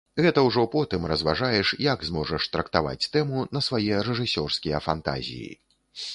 Гэта ўжо потым разважаеш, як зможаш трактаваць тэму на свае рэжысёрскія фантазіі.